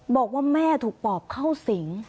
บอกว่าแม่ถูกปอบเข้าสิง